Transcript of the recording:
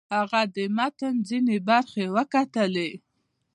هغه د متن ځینې برخې وکتلې.